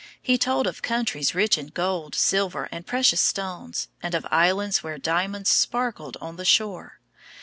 He told of countries rich in gold, silver, and precious stones, and of islands where diamonds sparkled on the shore.